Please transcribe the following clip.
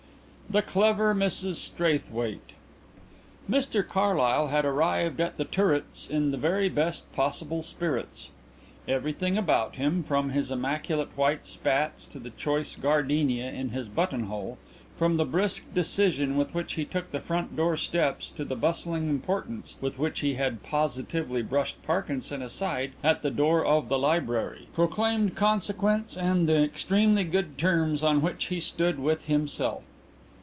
THE CLEVER MRS STRAITHWAITE Mr Carlyle had arrived at The Turrets in the very best possible spirits. Everything about him, from his immaculate white spats to the choice gardenia in his buttonhole, from the brisk decision with which he took the front door steps to the bustling importance with which he had positively brushed Parkinson aside at the door of the library, proclaimed consequence and the extremely good terms on which he stood with himself.